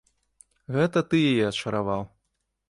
Гэта ты яе ачараваў.